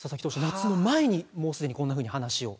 夏の前にもうすでにこんなふうに話を。